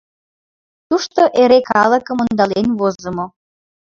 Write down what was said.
Тушто эре калыкым ондален возымо.